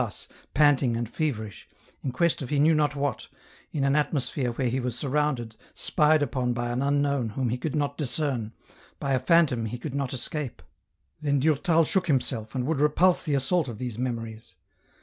171 thus, panting and feverish, in quest ot he knew not what, m an atmosphere where he was surrounded, spied upon by an unknown whom he could not discern, by a phantom he could not escape. Then Durtal shook himself, and would repulse the assault of these memories.